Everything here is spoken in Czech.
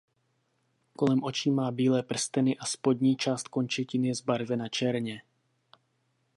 Kolem očí má bílé prsteny a spodní část končetin je zbarvena černě.